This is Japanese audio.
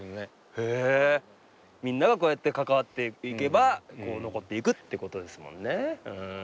みんながこうやって関わっていけば残っていくってことですもんね。